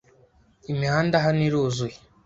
Imihanda hano iruzuye.